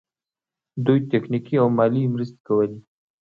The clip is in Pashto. دوی تخنیکي او مالي مرستې کولې.